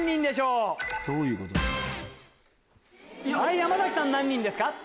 山崎さん何人ですか？